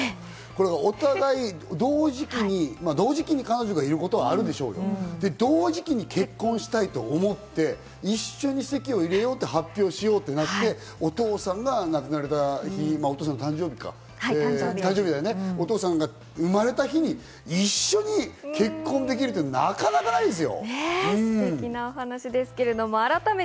お互い同時期に彼女がいることはあるでしょうけれども、同時期に結婚したいと思って、一緒に籍を入れようって、発表しようってなって、お父さんが亡くなられた日、お父さんの誕生日か、お父さんが生まれた日に一緒に結婚できるってなかなかないですよ。